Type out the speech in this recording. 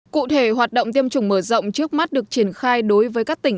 cụ thể hoạt động tiêm chủng mở rộng trước mắt được triển khai đối với các tỉnh